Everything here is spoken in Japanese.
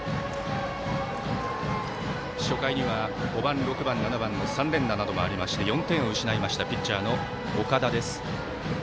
初回には、５番、６番、７番の３連打などもありまして４点を失いましたピッチャーの岡田です。